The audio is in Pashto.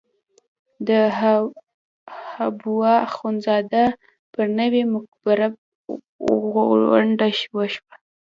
د حبواخندزاده پر نوې مقبره غونډه وشوه.